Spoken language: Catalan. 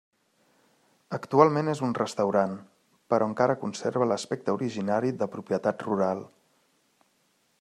Actualment és un restaurant, però encara conserva l'aspecte originari de propietat rural.